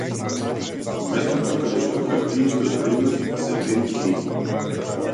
Место каде што хартиите од вредност се вредни книги.